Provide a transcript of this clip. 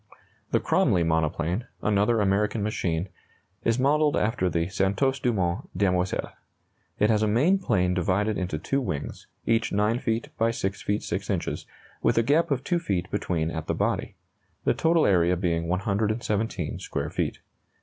The Cromley monoplane, another American machine, is modelled after the Santos Dumont Demoiselle. It has a main plane divided into two wings, each 9 feet by 6 feet 6 inches, with a gap of 2 feet between at the body; the total area being 117 square feet.